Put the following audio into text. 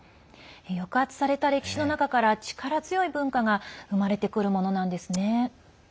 抑圧された歴史の中から力強い文化が生まれてくるものなんですね。